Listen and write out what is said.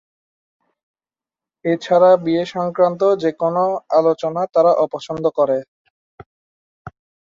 এছাড়া, বিয়ে সংক্রান্ত যেকোনো আলোচনা তারা অপছন্দ করে।